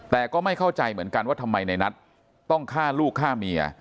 แต่ก็ไม่เข้าใจเหมือนกันว่าทำไมในนัทต้องฆ่าลูกฆ่าเมีย